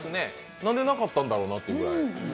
なんでなかったんだろうなってくらい。